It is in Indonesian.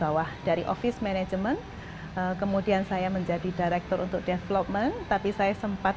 bawah dari office management kemudian saya menjadi director untuk development tapi saya sempat